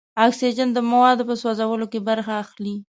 اکسیجن د موادو په سوځیدلو کې برخه اخلي.